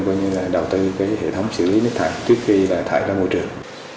gọi như là đầu tư hệ thống xử lý nước thải trước khi thải ra môi trường